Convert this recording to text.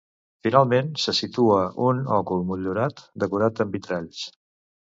Finalment, se situa un òcul motllurat decorat amb vitralls.